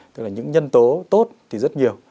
tức là những nhân tố tốt thì rất nhiều